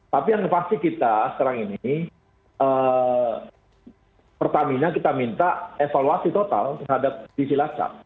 tapi yang pasti kita sekarang ini pertamina kita minta evaluasi total terhadap di silacak